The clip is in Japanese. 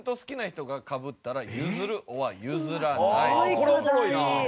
あこれはおもろいな。